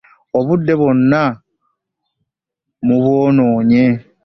Obudde bwonna mubwonoonye.